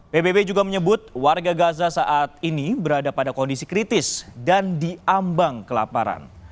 pbb juga menyebut warga gaza saat ini berada pada kondisi kritis dan diambang kelaparan